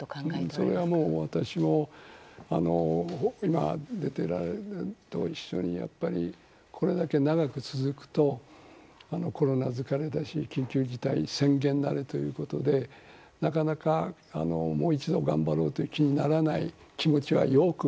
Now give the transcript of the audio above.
それは私もこれだけ長く続くとコロナ疲れや緊急事態宣言慣れということでなかなか、もう一度頑張ろうという気にならない気持ちはよく。